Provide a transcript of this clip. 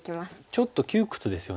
ちょっと窮屈ですよね。